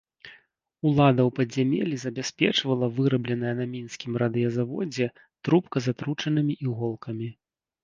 Улада ў падзямеллі забяспечвала вырабленая на мінскім радыёзаводзе трубка з атручанымі іголкамі.